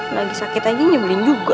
lagi sakit aja nyebelin juga